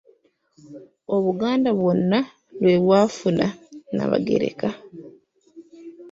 Obuganda bwonna lwe bwafuna Nnaabagereka.